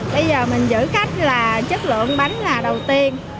bây giờ mình giữ khách là chất lượng bánh là đầu tiên